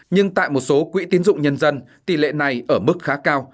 nhưng tại một số quỹ tiến dụng nhân dân tỷ lệ này ở mức khá cao